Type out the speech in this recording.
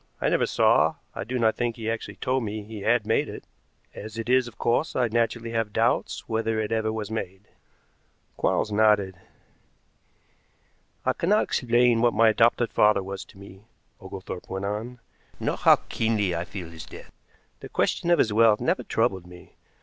I never saw, I do not think he actually told me he had made it. As it is, of course, I naturally have doubts whether it ever was made." Quarles nodded. "I cannot explain what my adopted father was to me," Oglethorpe went on, "nor how keenly I feel his death. The question of his wealth never troubled me.